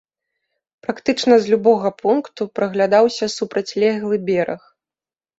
Практычна з любога пункту праглядаўся супрацьлеглы бераг.